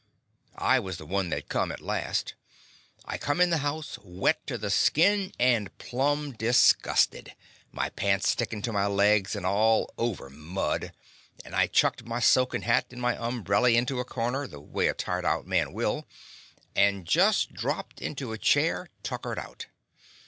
I was the one that come, at last. I come in the house wet to the skin, and plumb disgusted; my pants stickin' to my legs and all over mud, and I chucked my soakin' hat and my umbrelly into a corner, the way a tired out man will, and just dropped into a chair, tuckered out.